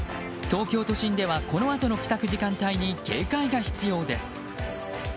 東京都心ではこのあとの帰宅時間帯に警戒が必要です。